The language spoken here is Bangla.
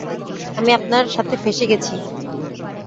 আমি আপনার সাথে ফেঁসে গেছি।